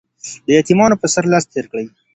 د يتيمانو په سر لاس تېر کړئ.